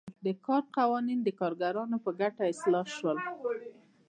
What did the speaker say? د کار قوانین د کارګرانو په ګټه اصلاح شول.